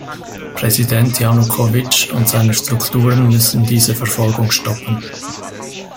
Präsident Janukowitsch und seine Strukturen müssen diese Verfolgung stoppen.